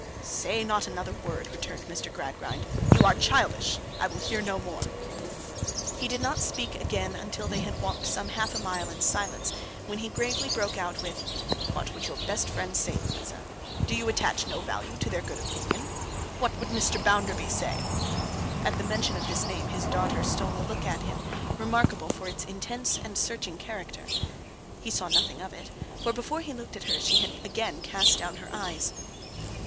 'Say not another word,' returned Mr. Gradgrind. 'You are childish. I will hear no more.' He did not speak again until they had walked some half a mile in silence, when he gravely broke out with: 'What would your best friends say, Louisa? Do you attach no value to their good opinion? What would Mr. Bounderby say?' At the mention of this name, his daughter stole a look at him, remarkable for its intense and searching character. He saw nothing of it, for before he looked at her, she had again cast down her eyes!